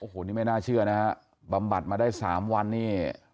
โฮนี่ไม่น่าเชื่อนะบำบัดมาได้สามวันนี่